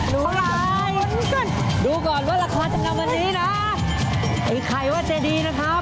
รูไลน์ดูก่อนว่าราคาจำนำวันนี้นะไอ้ไข่วัดเจดีนะครับ